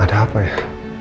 ada apa sarah